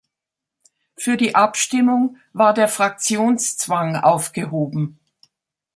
Für die Abstimmung war der Fraktionszwang aufgehoben.